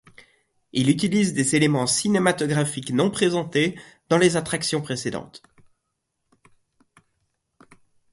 Il utilise des éléments cinématographiques non présenté dans les attractions précédentes.